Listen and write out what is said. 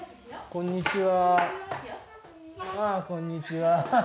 こんにちは。